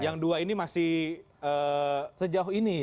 yang dua ini masih sejauh ini